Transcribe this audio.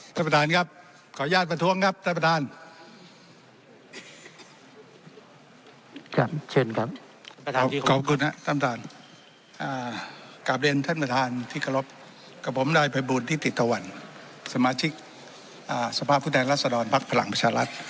สมาชิกอ่าสภาพพุทธแห่งรัฐศรรณภักดิ์พลังประชาลัศน์